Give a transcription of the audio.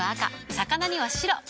魚には白。